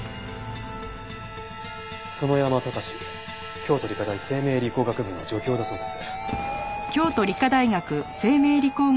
京都理科大生命理工学部の助教だそうです。